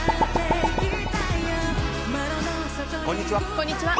こんにちは。